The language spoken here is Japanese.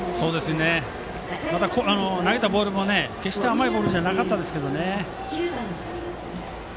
投げたボールも決して甘いボールじゃなかったですけどね。